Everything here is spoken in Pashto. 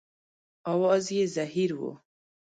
اواز یې زهیر و.